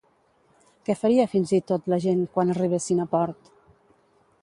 Què faria fins i tot la gent quan arribessin a port?